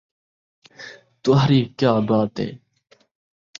تہاݙی کیا بات ہے